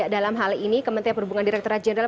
dalam hal ini kementerian perhubungan direkturat jenderal